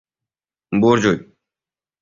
— Burjuy?